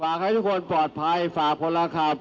ฝากให้ทุกคนปลอดภัยฝากพลครับ